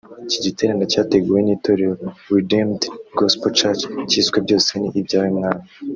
Iki giterane cyateguwe n’itorero Redeemed Gospel Church cyiswe ‘Byose ni ibyawe mwami’